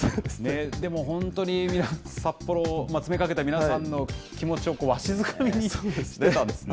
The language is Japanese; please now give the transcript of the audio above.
でも、本当に札幌、詰めかけた皆さんの気持ちをわしづかみにしてたんですね。